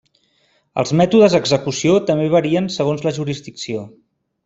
Els mètodes d'execució també varien segons la jurisdicció.